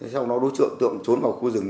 sau đó đối tượng trốn vào khu rừng